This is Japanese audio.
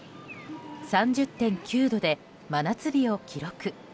３０．９度で真夏日を記録。